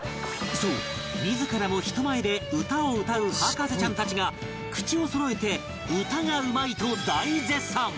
そう自らも人前で歌を歌う博士ちゃんたちが口をそろえて歌がうまいと大絶賛